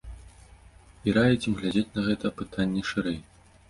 І раіць ім глядзець на гэта пытанне шырэй.